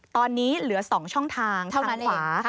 ตอนนี้เหลือ๒ช่องทางทางด้านขวา